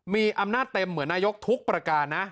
มีอำนาจเต็มเหมือนนายกทุกประการนะ